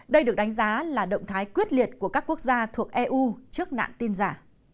đây được đánh giá là động thái quyết liệt của các quốc gia thuộc eu trước nạn tin giả